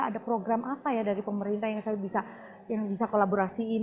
ada program apa ya dari pemerintah yang saya bisa kolaborasiin